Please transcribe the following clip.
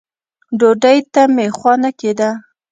ډوډۍ ته مې خوا نه کېده.